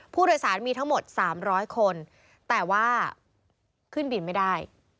ผู้โดยสารมีทั้งหมด๓๐๐คนแต่ว่าขึ้นบินไม่ได้